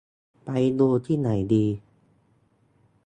ไปดูที่ไหนดี